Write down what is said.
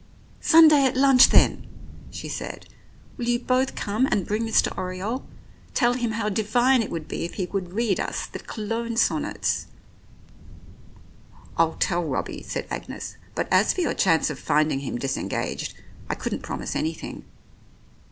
"Sunday at lunch then," she said. "Will you both come and bring Mr. Oriole? Tell him how divine it would be if he would read us the Cologne sonnets." "I'll tell Robbie," said Agnes, "but as for your chance of finding him disengaged, I couldn't promise anything.